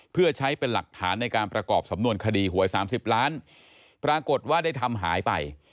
เพื่อใช้เป็นหลักฐานในการประกอบสำนวนคดีหวย๓๐ล้านปรากฏว่าได้ทำหายไป